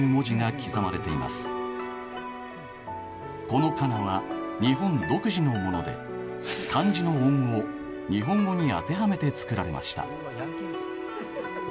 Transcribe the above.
この仮名は日本独自のもので漢字の音を日本語に当てはめて作られました。